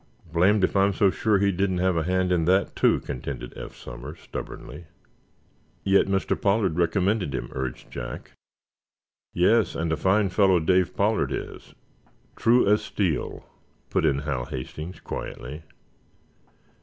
"Blamed if I'm so sure he didn't have a hand in that, too," contended Eph Somers, stubbornly. "Yet Mr. Pollard recommended him," urged Jack. "Yes, and a fine fellow Dave Pollard is—true as steel," put in Hal Hastings, quietly.